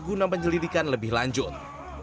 guna penyelidikan lebih lanjut